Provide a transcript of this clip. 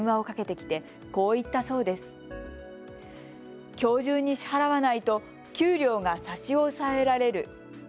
きょう中に支払わないと給料が差し押さえられる。